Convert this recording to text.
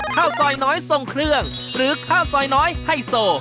ข้าวซอยน้อยทรงเครื่องหรือข้าวซอยน้อยไฮโซ